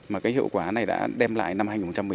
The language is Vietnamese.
mà cái hiệu quả này đã đem lại năm hai nghìn một mươi tám